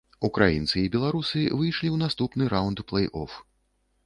Украінцы і беларусы выйшлі ў наступны раўнд плэй-оф.